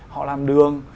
họ làm đường